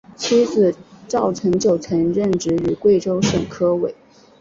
妻子赵曾玖则任职于贵州省科委。